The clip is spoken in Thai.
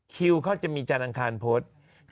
คิวเขาจะมีจรรย์อังคารพุทธ